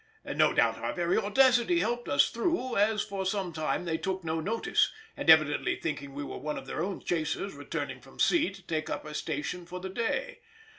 No doubt our very audacity helped us through, as for some time they took no notice, evidently thinking we were one of their own chasers returning from sea to take up her station for the day.